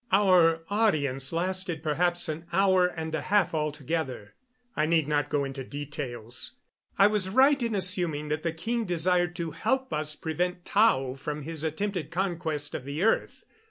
Our audience lasted perhaps an hour and a half altogether. I need not go into details. I was right in assuming that the king desired to help us prevent Tao from his attempted conquest of the earth.